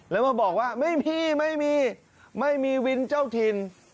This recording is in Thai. แล้วมาบอกว่าไม่มีไม่มีวินเจ้าถิ่น